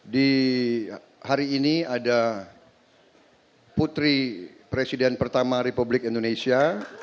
di hari ini ada putri presiden pertama republik indonesia